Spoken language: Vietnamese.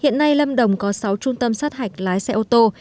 hiện nay lâm đồng có sáu trung tâm sát hạch lái xe ô tô